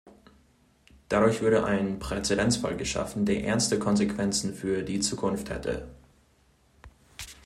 Dadurch würde ein Präzedenzfall geschaffen, der ernste Konsequenzen für die Zukunft hätte.